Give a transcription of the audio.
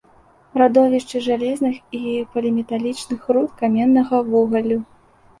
Радовішчы жалезных і поліметалічных руд, каменнага вугалю.